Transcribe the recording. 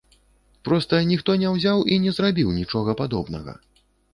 Проста ніхто не ўзяў і не зрабіў нічога падобнага!